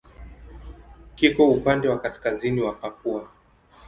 Kiko upande wa kaskazini wa Papua.